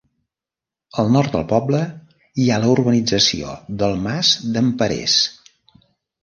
Al nord del poble hi ha la urbanització del Mas d'en Perers.